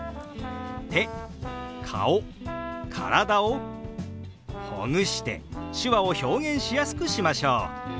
手顔体をほぐして手話を表現しやすくしましょう。